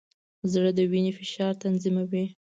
زړه د وینې فشار تنظیموي.